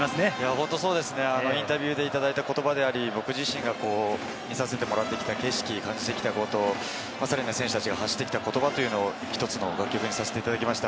本当そうですね、インタビューでいただいた言葉であり、僕自身が見させてもらってきた景色、感じたこと、さらには選手たちが発してきた言葉というのを１つの楽曲にさせていただきました。